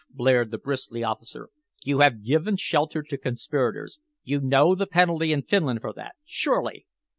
blared the bristly officer. "You have given shelter to conspirators. You know the penalty in Finland for that, surely?"